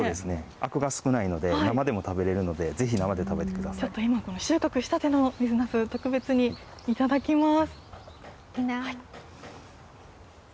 あくが少ないので、生でも食べれちょっと今、収穫したての水なす、特別にいただきます。